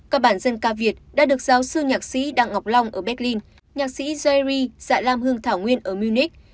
các bản dân ca việt đã được giáo sư nhạc sĩ đặng ngọc long ở berlin nhạc sĩ jerry dạ lam hương thảo nguyên ở munich